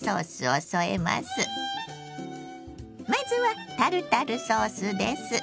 まずはタルタルソースです。